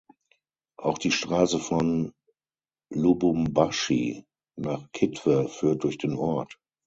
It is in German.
Auch die Straße von Lubumbashi nach Kitwe führt durch den Ort.